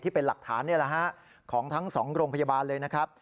ที่เป็นหลักฐานของทั้งสองโรงพยาบาลเลยนะครับ